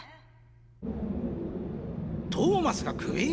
トーマスがクビ？